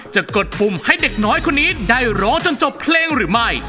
กดปุ่มให้เด็กน้อยคนนี้ได้ร้องจนจบเพลงหรือไม่